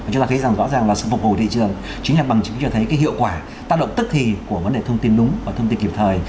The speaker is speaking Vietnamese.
chúng ta thấy rằng rõ ràng là sự phục hồi thị trường chính là bằng chứng cho thấy cái hiệu quả tác động tức thì của vấn đề thông tin đúng và thông tin kịp thời